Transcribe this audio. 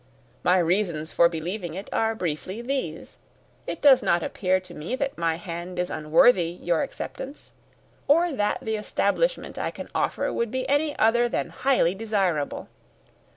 My reasons for believing it are briefly these: It does not appear to me that my hand is unworthy your acceptance, or that the establishment I can offer would be any other than highly desirable.